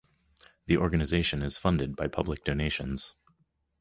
The organisation is funded by public donations.